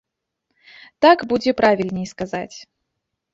Так будзе правільней сказаць.